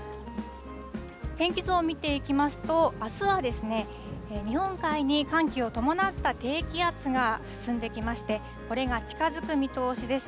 天気図を見ていきますと、あすは日本海に寒気を伴った低気圧が進んできまして、これが近づく見通しです。